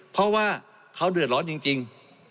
เพราะว่าเขาเดือดร้อนจริง